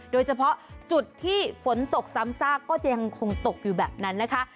โดยเฉพาะจุดที่ฝนตกซ้ำซากก็จะยังคงตกอยู่แบบนั้นนะคะ